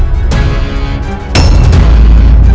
hukuman yang lebih berat lagi